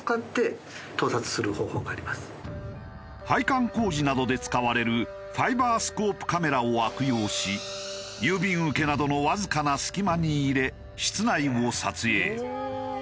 配管工事などで使われるファイバースコープカメラを悪用し郵便受けなどのわずかな隙間に入れ室内を撮影。